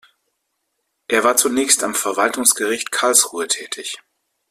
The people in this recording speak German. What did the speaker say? Er war zunächst am Verwaltungsgericht Karlsruhe tätig.